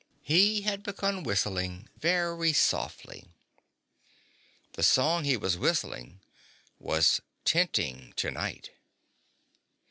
He had begun whistling, very softly. The song he was whistling was Tenting Tonight.